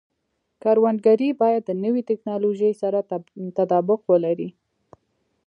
کروندګري باید د نوې ټکنالوژۍ سره تطابق ولري.